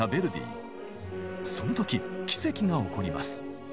その時奇跡が起こります。